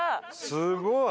すごい！